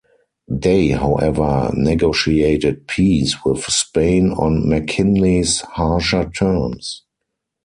Day, however, negotiated peace with Spain on McKinley's harsher terms.